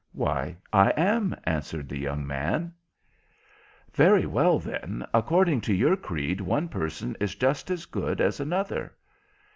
"Why, I am," answered the young man. "Very well, then; according to your creed one person is just as good as another."